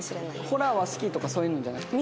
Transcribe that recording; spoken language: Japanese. ホラーが好きとかそういうのじゃなくて？